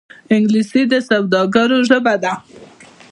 انګلیسي د سوداګرو ژبه ده